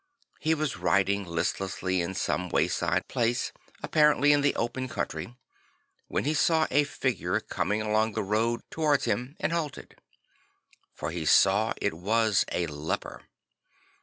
He was riding listlessly in some wayside place, appar ently in the open country, when he saw a figure coming along the road towards him and halted; for he saw it was a leper.